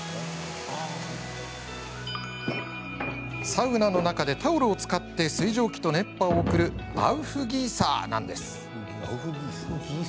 サウナの中でタオルを使って水蒸気と熱波を送るアウフギーサーなんです。